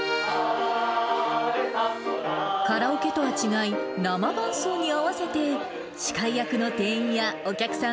カラオケとは違い、生伴奏に合わせて司会役の店員やお客さん